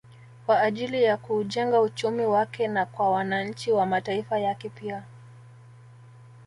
Kwa ajili ya kuujenga uchumi wake na kwa wananchi wa mataifa yake pia